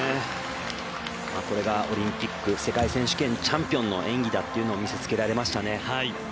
これがオリンピック世界選手権のチャンピオンの演技だというのを見せつけられましたね。